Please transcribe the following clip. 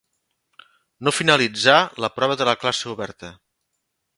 No finalitzà la prova de la classe oberta.